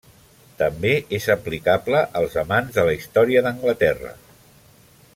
També és aplicable als amants de la història d'Anglaterra.